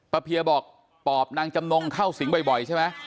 เพียบอกปอบนางจำนงเข้าสิงบ่อยใช่ไหม